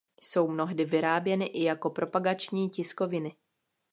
Jsou mnohdy vyráběny i jako propagační tiskoviny.